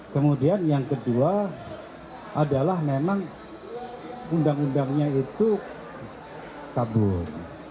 kemudian yang kedua adalah memang undang undangnya itu kabur